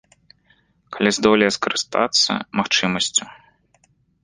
Калі здолее скарыстацца магчымасцю.